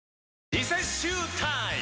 リセッシュータイム！